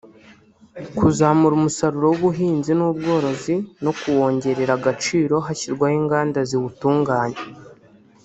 kuzamura umusaruro w’ubuhinzi n’ubworozi no kuwongerera agaciro hashyirwaho inganda ziwutunganya